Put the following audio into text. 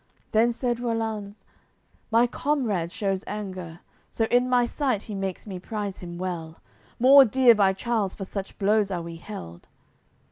Then said Rollanz: "My comrade shews anger, So in my sight he makes me prize him well; More dear by Charles for such blows are we held."